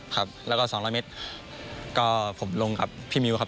ครับแล้วก็๒๐๐เมตรก็ผมลงกับพี่มิวครับ